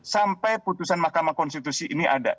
sampai putusan mahkamah konstitusi ini ada